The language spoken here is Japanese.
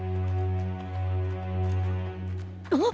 あっ！